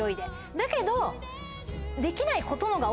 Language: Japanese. だけど。